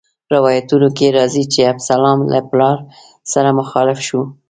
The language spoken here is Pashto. روایتونو کې راځي چې ابسلام له پلار سره مخالف شو.